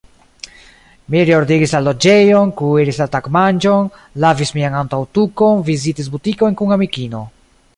Mi reordigis la loĝejon, kuiris la tagmanĝon, lavis mian antaŭtukon, vizitis butikojn kun amikino.